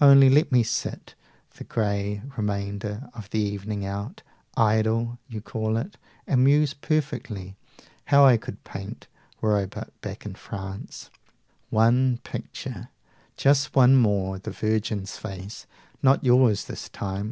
Only let me sit The gray remainder of the evening out, Idle, you call it, and muse perfectly How I could paint, were I but back in France, One picture, just one more the Virgin's face, 230 Not yours this time!